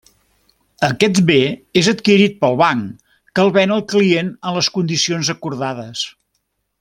Aquest bé és adquirit pel banc que el ven al client en les condicions acordades.